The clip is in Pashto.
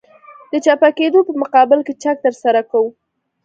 د چپه کېدو په مقابل کې چک ترسره کوو